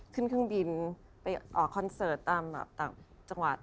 ขึ้นเครื่องบินไปคอนเสิร์ตตามต่างจังหวัด